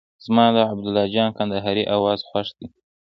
زما د عبید الله جان کندهاري اواز خوښ دی.